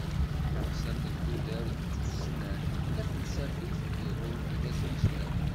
Tamsalt n tudert, d tussnant, d tafelsafit, iḍul fell-as umeslay.